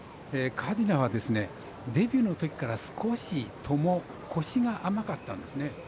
カデナはデビューのときから少しトモ、腰が甘かったんですね。